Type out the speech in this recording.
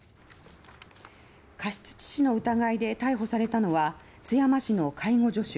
過失致死の疑いで逮捕されたのは津山市の介護助手